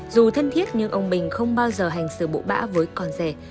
dù thân thiết nhưng ông bình không bao giờ hành sự bụ bã với con rẻ